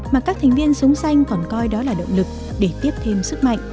mà các thành viên sống xanh còn coi đó là động lực để tiếp thêm sức mạnh